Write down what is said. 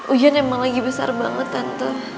ujan memang lagi besar banget tante